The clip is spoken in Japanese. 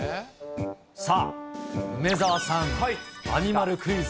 さあ、梅澤さん、アニマルクイズ。